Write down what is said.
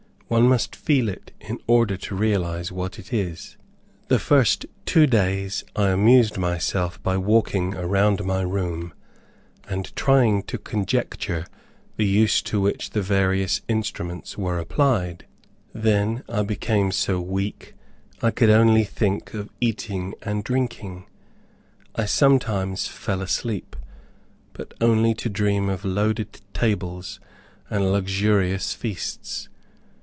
One must feel it in order to realize what it is. The first two days I amused myself by walking round my room and trying to conjecture the use to which the various instruments were applied. Then I became so weak I could only think of eating and drinking. I sometimes fell asleep, but only to dream of loaded tables and luxurious feasts.